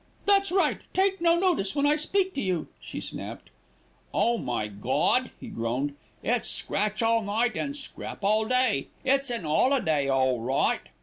"That's right, take no notice when I speak to you," she snapped. "Oh, my Gawd!" he groaned. "It's scratch all night an' scrap all day. It's an 'oliday all right."